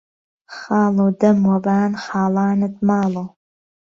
خاڵۆ دهم وه بان خاڵانت ماڵۆ